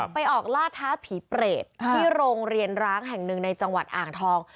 ไปออกล่าท้าผีเปรตที่โรงเรียนร้างแห่งหนึ่งในจังหวัดอ่างทอง